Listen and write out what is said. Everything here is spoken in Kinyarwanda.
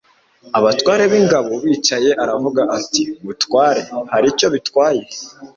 abatware b ingabo bicaye aravuga ati mutware hari icyo bitwaye